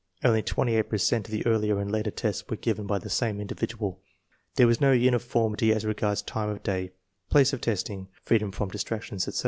1 Only twenty eight per cent of the earlier and later tests were given by the same individual. There was no uniformity as regards time of day, place of testing, freedom from distractions, etc.